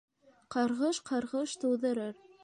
Ҡарғыш ҡарғыш тыуҙырыр.